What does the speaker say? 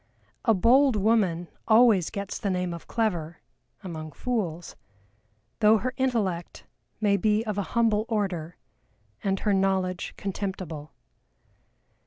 "A bold woman always gets the name of clever" among fools "though her intellect may be of a humble order, and her knowledge contemptible."